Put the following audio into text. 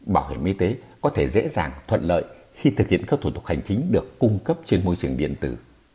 bảo hiểm y tế có thể dễ dàng thuận lợi khi thực hiện các thủ tục hành chính được cung cấp trên môi trường điện tử